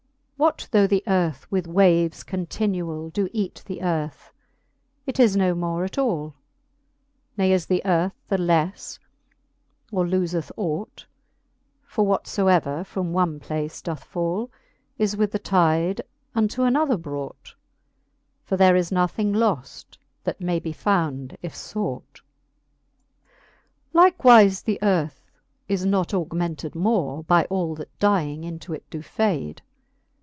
What though the fea with waves continuall Doe eate the earth, it is no more at all : Ne is the earth the lefTe, or lofeth ought; For whatfoever from one place doth fall, Is with the tide unto an other brought : For there is nothing loft, that may be found, if fought. XL. Likewife the earth is not augmented more By all that dying into it doe fade.